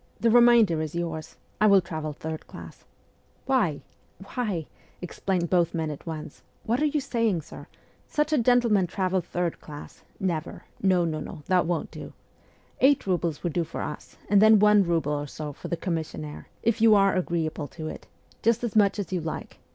The remainder is yours. I will travel third class !'' Wai ! wai ! wai !' exclaimed both men at once. ' What are you saying, sir ? Such a gentleman travel third class ! Never ! No, no, no, that won't do. ... Eight roubles will do for us, and then one rouble or so for the commissionnaire, if you are agreeable to it just as much as you like.